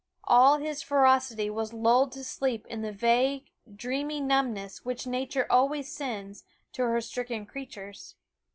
All his ferocity was lulled to sleep in the vague, dreamy numbness which Nature always sends to her stricken creatures.